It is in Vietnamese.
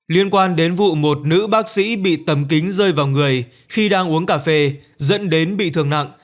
liên quan đến vụ một nữ bác sĩ bị tầm kính rơi vào người khi đang uống cà phê dẫn đến bị thương nặng